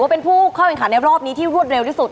เป็นผู้เข้าแข่งขันในรอบนี้ที่รวดเร็วที่สุด